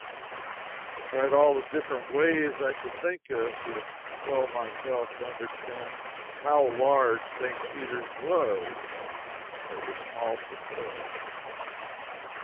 I tried all the different ways I could think of to compel myself to understand how large St. Peter's was, but with small success.